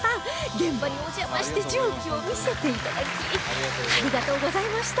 現場にお邪魔して重機を見せていただきありがとうございました